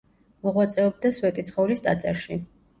მოღვაწეობდა სვეტიცხოვლის ტაძარში.